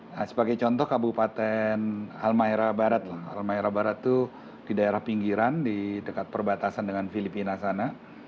nah sebagai contoh kabupaten almaira barat lah almaira barat itu di daerah pinggiran di dekat perbatasan dengan filipina sana